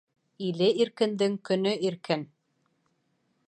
Иле иркендең көнө иркен.